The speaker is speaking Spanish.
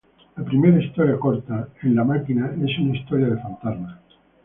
La primera historia corta, 'In the Machine,' es una historia de fantasmas.